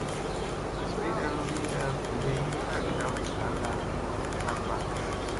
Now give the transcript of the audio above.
Zoyda ludiida guduygi a ɗaf balda u happa.